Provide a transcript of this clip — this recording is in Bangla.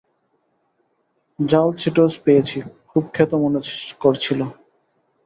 ঝাল চিটোজ পেয়েছি, খুব খেতে মন করছিল।